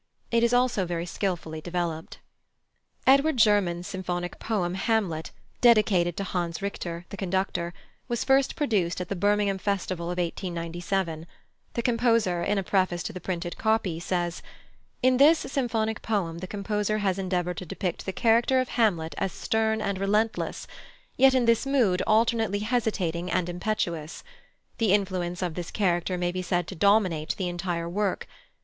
It is also very skilfully developed. +Edward German's+ symphonic poem, Hamlet, dedicated to Hans Richter, the conductor, was first produced at the Birmingham Festival of 1897. The composer, in a preface to the printed copy, says: "In this symphonic poem the composer has endeavoured to depict the character of Hamlet as stern and relentless, yet in this mood alternately hesitating and impetuous. The influence of this character may be said to dominate the entire work.